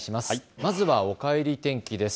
まずはおかえり天気です。